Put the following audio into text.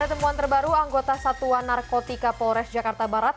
ada temuan terbaru anggota satuan narkotika polres jakarta barat